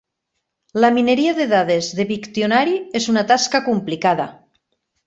La mineria de dades de Wiktionary és una tasca complicada.